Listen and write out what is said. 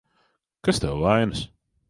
Kas tev vainas?